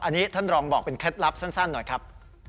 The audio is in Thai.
อันนี้ท่านรองบอกเป็นเคล็ดลับสั้นหน่อยครับ